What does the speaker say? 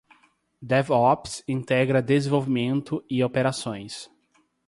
DevOps integra desenvolvimento e operações.